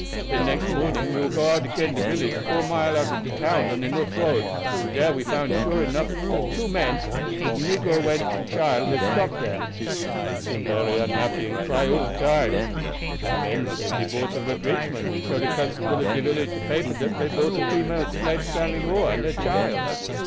Den next morning we go out again to village four mile out of de town on de north road, and dere we found sure 'nough dat two men, wid negro wench and chile, had stopped dere. She seem bery unhappy and cry all de time. De men say dey bought her at Richmond, and show de constable of de village de paper dat dey had bought a female slave Sally Moore and her chile.